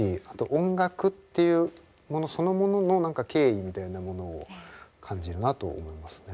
音楽っていうものそのものの何か敬意みたいなものを感じるなと思いますね。